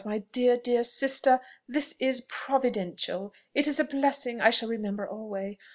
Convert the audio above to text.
My dear, dear sister! This is providential! It is a blessing I shall remember alway!